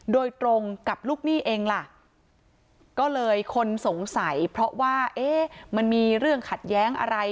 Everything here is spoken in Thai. โดยตรงกับลูกหนี้เองล่ะก็เลยคนสงสัยเพราะว่าเอ๊ะมันมีเรื่องขัดแย้งอะไร